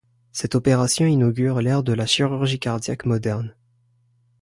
Cette opération inaugure l'ère de la chirurgie cardiaque moderne.